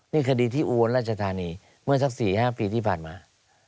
นี่คดีที่อุบลราชธานีเมื่อสัก๔๕ปีที่ผ่านมา